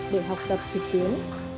để học tập trực tuyến